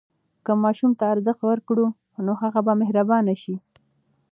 که ماشوم ته ارزښت ورکړو، نو هغه به مهربان شي.